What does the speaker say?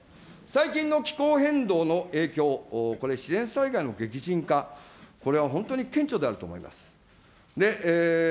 最近の気候変動の影響、これ、自然災害の激甚化、これは本当に顕著であると思います。